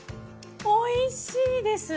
おいしいです！